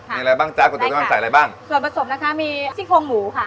มีอะไรบ้างจ๊ะก๋วน้ำมันใส่อะไรบ้างส่วนผสมนะคะมีซี่โครงหมูค่ะ